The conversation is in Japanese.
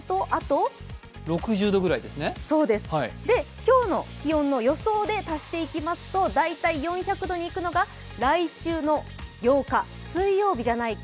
今日の気温の予想で足していきますと、大体４００度にいくのが来週の８日、水曜日じゃないか。